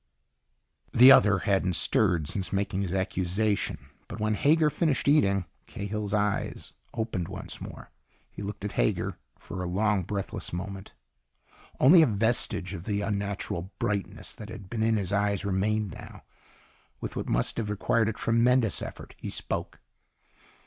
The other hadn't stirred since making his accusation. But when Hager finished eating, Cahill's eyes opened once more. He looked at Hager for a long, breathless moment. Only a vestige of the unnatural brightness that had been in his eyes remained now. With what must have required a tremendous effort, he spoke.